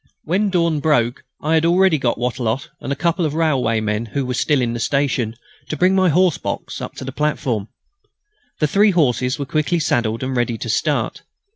When dawn broke I had already got Wattrelot and a couple of railwaymen who were still in the station to bring my horse box up to the platform. The three horses were quickly saddled and ready to start.